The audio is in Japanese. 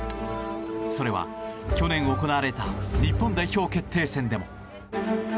それは、去年行われた日本代表決定戦でも。